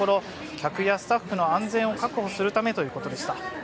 客やスタッフの安全を確保するためということでした。